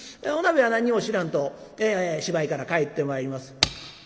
お鍋は何にも知らんと芝居から帰ってまいります。